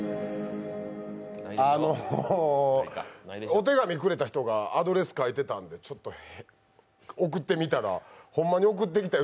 お手紙くれた人がアドレス書いてたんでちょっと送ってみたらホンマに送ってきた